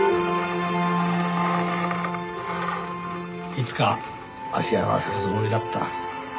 いつか足洗わせるつもりだった。